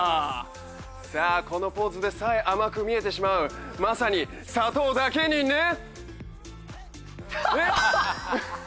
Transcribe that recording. さあこのポーズでさえ甘く見えてしまうまさにさとうだけにね。えっ？